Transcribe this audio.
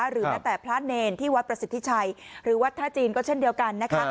หรือแม้แต่พระเนรที่วัดประสิทธิชัยหรือวัดท่าจีนก็เช่นเดียวกันนะคะ